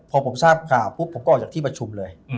พอผมทราบข่าวปุ๊บผมก็ออกจากที่ประชุมเลย